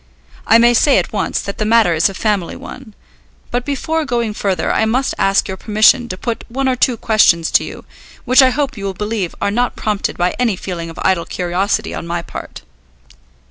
I may say at once that the matter is a family one; but before going further I must ask your permission to put one or two questions to you, which I hope you will believe are not prompted by any feeling of idle curiosity on my part."